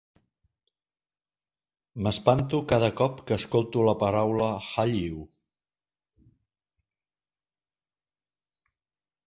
M'espanto cada cop que escolto la paraula "Hallyu".